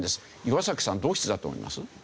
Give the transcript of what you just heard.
岩さんどうしてだと思います？